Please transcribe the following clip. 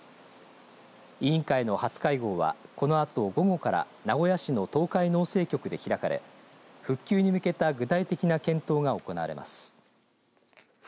委員会の初会合はこのあと午後から名古屋市の東海農政局で開かれ復旧に向けた具体的な検討が行われます。